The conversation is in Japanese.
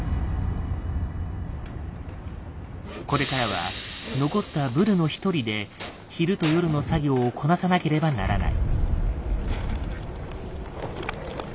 これからは残ったブルノ１人で昼と夜の作業をこなさなければならない。